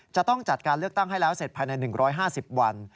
จะต้องจัดการเลือกตั้งให้แล้วเสร็จภายใน๑๕๐วัน